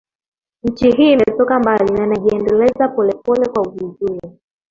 Nchi hii imetoka mbali na inajiendeleza polepole kwa vizuri